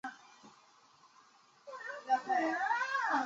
这种战力相当两极化。